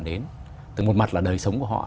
đến từ một mặt là đời sống của họ